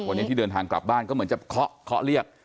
วันนี้ที่เดินทางกลับบ้านก็เหมือนจะเคาะเรียก